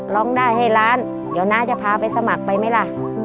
ร้องได้ให้ล้านเดี๋ยวน้าจะพาไปสมัครไปไหมล่ะ